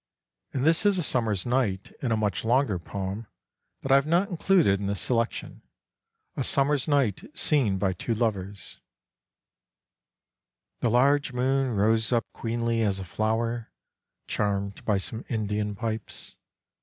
And this is a Summer's night in a much longer poem that I have not included in this selection, a summer's night seen by two lovers : "The large moon rose up queenly as a flower Charmed by some Indian pipes.